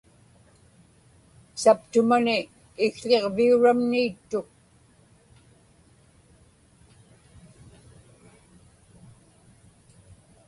saptumani ikł̣iġviuramni ittuk